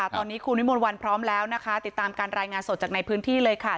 ตอนนี้คุณวิมวลวันพร้อมแล้วนะคะติดตามการรายงานสดจากในพื้นที่เลยค่ะ